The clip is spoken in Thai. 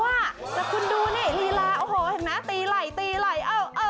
แต่คุณดูนี่รีลาโอ้โหเห็นไหมตีไหล่